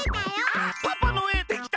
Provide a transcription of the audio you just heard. あっパパの絵できた？